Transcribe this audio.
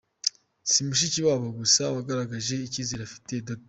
Si Mushikiwabo gusa wagaragaje icyizire afitiye Dr.